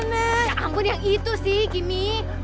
nah ampun yang itu sih gini